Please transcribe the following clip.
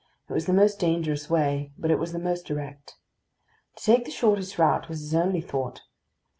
It was the most dangerous way, but it was the most direct. To take the shortest route was his only thought.